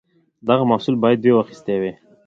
دغه محصول باید دوی اخیستی وای.